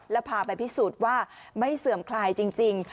แล้วพาไปพิสูจน์ว่าไม่เสื่อมคลายจริง